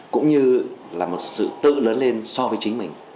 cũng như là một sự tự lớn lên so với chính mình